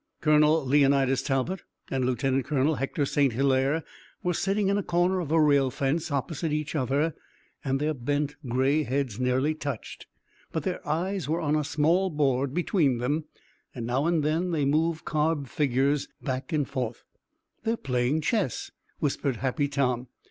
Colonel Leonidas Talbot and Lieutenant Colonel Hector St. Hilaire were sitting in a corner of a rail fence opposite each other, and their bent gray heads nearly touched. But their eyes were on a small board between them and now and then they moved carved figures back and forth. "They're playing chess," whispered Happy Tom.